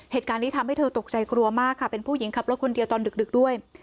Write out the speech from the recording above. เหตุการณ์นี้ทำให้เธอตกใจกลัวมากค่ะเป็นผู้หญิงขับรถคนเดียวตอนดึกด้วย